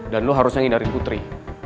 dan lo harusnya ngindarin putri